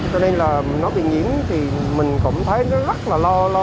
cho nên là nó bị nhiễm thì mình cũng thấy nó rất là lo lo